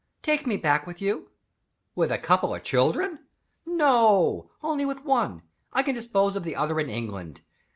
"Take me back with you." "With a couple of children?" "No. Only with one. I can dispose of the other in England.